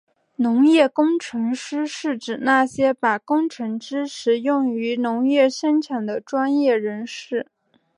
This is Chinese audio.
农业工程师是指那些把工程知识用于农业生产的专业人士。